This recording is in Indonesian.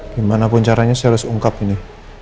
gimanapun caranya saya harus ungkap ini